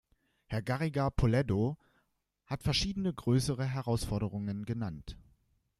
Herr Garriga Polledo hat verschiedene größere Herausforderungen genannt.